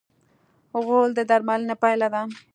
غول د درملنې پایله ده.